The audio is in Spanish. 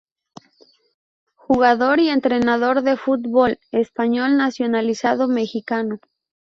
Jugador y entrenador de fútbol español, nacionalizado mexicano.